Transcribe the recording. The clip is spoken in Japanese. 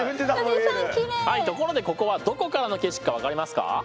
ところでここはどこからの景色か分かりますか？